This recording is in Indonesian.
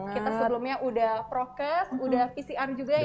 kita sebelumnya udah prokes udah pcr juga ya